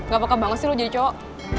gapakah banget sih lu jadi cowok